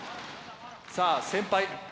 さあ先輩。